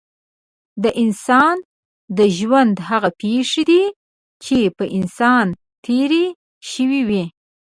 د انسان د ژوند هغه پېښې دي چې په انسان تېرې شوې وي.